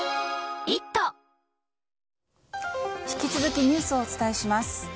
引き続きニュースをお伝えします。